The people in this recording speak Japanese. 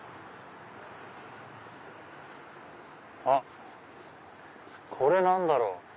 あっこれ何だろう？